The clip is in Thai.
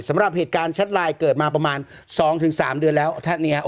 สำหรับเหตุการณ์ชัดลายเกิดมาประมาณสองถึงสามเดือนแล้วถ้านี้ฮะ